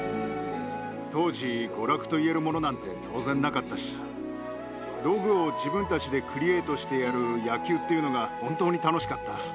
当時、娯楽といえるものなんて当然なかったし、道具を自分たちでクリエイトしてやる野球っていうのが本当に楽しかった。